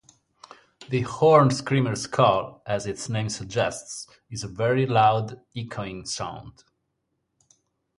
The horned screamer's call, as its name suggests, is a very loud echoing sound.